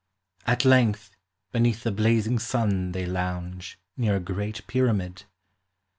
At length, beneath the blazing sun they lounge Near a great Pyramid.